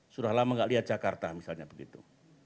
sudah lama gak lihat jakarta misalnya begitu